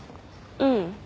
うん。